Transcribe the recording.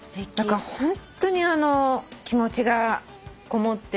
ホントに気持ちがこもってる。